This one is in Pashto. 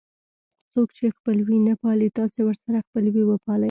څوک چې خپلوي نه پالي تاسې ورسره خپلوي وپالئ.